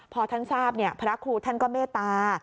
พอท่านทราบพระครูท่านก็เมตตา